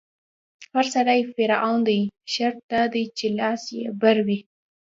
هر سړی فرعون دی، شرط دا دی چې لاس يې بر وي